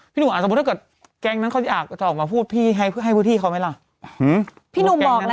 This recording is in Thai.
ถ้าเกรงนั้นจะออกมาพูดพี่ให้พื้นที่เค้าให้ไม่ล่ะ